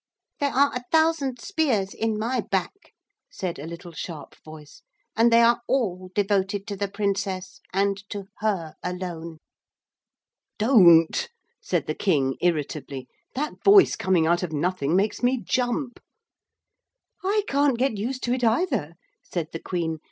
'There are a thousand spears in my back,' said a little sharp voice, 'and they are all devoted to the Princess and to her alone.' 'Don't!' said the King irritably. 'That voice coming out of nothing makes me jump.' 'I can't get used to it either,' said the Queen.